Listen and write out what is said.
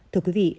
thưa quý vị